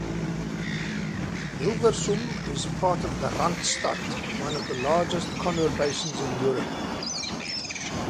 Hilversum is part of the Randstad, one of the largest conurbations in Europe.